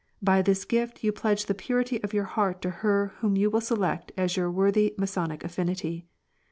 By this gift you pledge the purity of your heart to her whom you will select as your worthy Masonic aflinity."